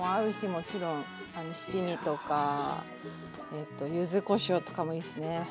もちろんあの七味とかえっとゆずこしょうとかもいいっすね。